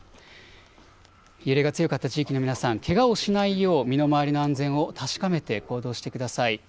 揺れが強かった地域の皆さん、けがをしないよう身の回りの安全を確かめて行動してください。